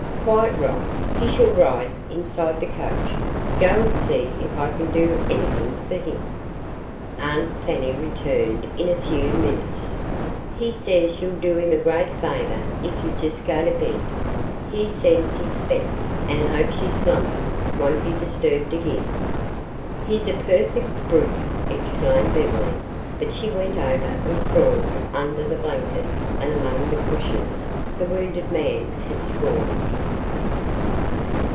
"Quite right. He shall ride inside the coach. Go and see if I can do anything for him." Aunt Fanny returned in a few minutes. "He says yo'll do him a great favoh if yo' jes' go to baid. He sends his 'spects an' hopes yo' slumbeh won' be distubbed ag'in." "He's a perfect brute!" exclaimed Beverly, but she went over and crawled under the blankets and among the cushions the wounded man had scorned.